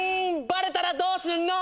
ばれたらどうすんの？